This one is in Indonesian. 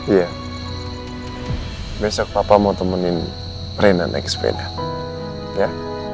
iya besok papa mau temenin rena naik sepeda ya